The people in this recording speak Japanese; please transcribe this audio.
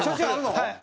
はい。